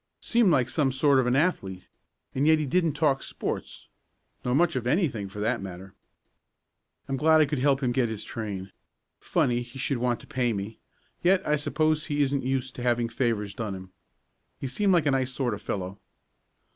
Seemed like some sort of an athlete, and yet he didn't talk sports nor much of anything, for that matter. "I'm glad I could help him get his train. Funny he should want to pay me, and yet I suppose he isn't used to having favors done him. He seemed like a nice sort of fellow.